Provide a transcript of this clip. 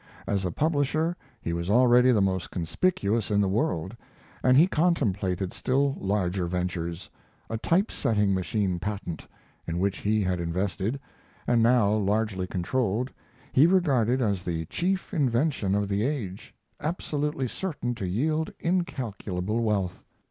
As a publisher, he was already the most conspicuous in the world, and he contemplated still larger ventures: a type setting machine patent, in which he had invested, and now largely controlled, he regarded as the chief invention of the age, absolutely certain to yield incalculable wealth.